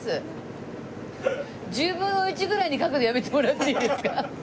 １０分の１ぐらいに描くのやめてもらっていいですか？